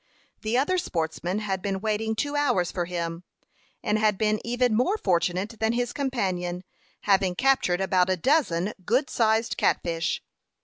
The other sportsman had been waiting two hours for him, and had been even more fortunate than his companion, having captured about a dozen good sized catfish.